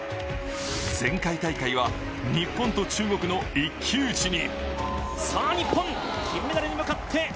前回大会は日本と中国の一騎打ちに。